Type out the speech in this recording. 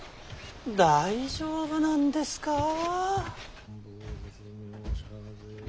大丈夫なんですか。